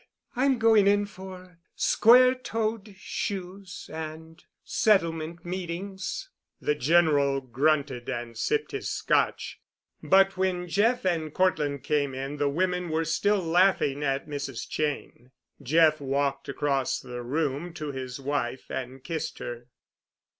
"I'm going in for square toed shoes and settlement meetings." The General grunted and sipped his Scotch, but when Jeff and Cortland came in the women were still laughing at Mrs. Cheyne. Jeff walked across the room to his wife and kissed her.